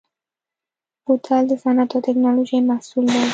بوتل د صنعت او تکنالوژۍ محصول دی.